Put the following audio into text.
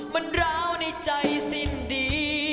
มันร้าวในใจสิ้นดี